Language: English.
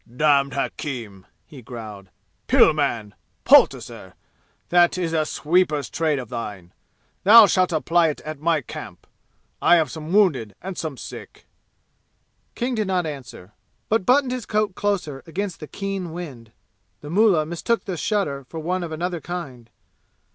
"Damned hakim!" he growled. "Pill man! Poulticer! That is a sweeper's trade of thine! Thou shalt apply it at my camp! I have some wounded and some sick." King did not answer, but buttoned his coat closer against the keen wind. The mullah mistook the shudder for one of another kind.